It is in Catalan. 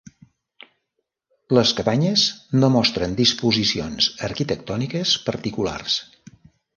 Les cabanyes no mostren disposicions arquitectòniques particulars.